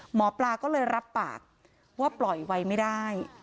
หมอปลาก็เลยรับปากว่าปล่อยไว้ไม่ได้